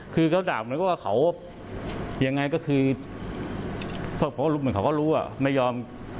คือเขาด่าเหมือนกับว่าเขายังไงก็คือเหมือนเขาก็รู้ว่าไม่ยอม